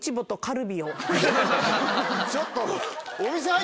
ちょっと。